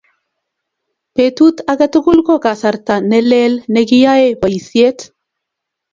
Petut age tugul ko kasarta nelelne kiyaei boisiet